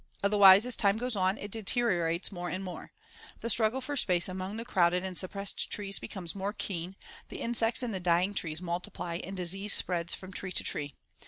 Otherwise, as time goes on, it deteriorates more and more, the struggle for space among the crowded and suppressed trees becomes more keen, the insects in the dying trees multiply and disease spreads from tree to tree.